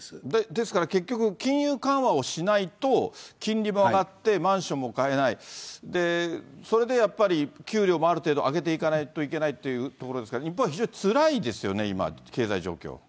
ですから結局、金融緩和をしないと、金利も上がって、マンションも買えない、それでやっぱり給料もある程度上げていかないといけないというところですが、日本は非常につらいですよね、今、経済状況。